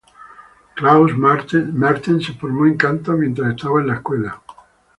Klaus Mertens se formó en canto mientras estaba en la escuela.